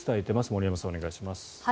森山さん、お願いします。